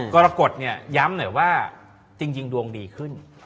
กระกฏดย้ำหน่อยว่าจริงดวงดีขึ้น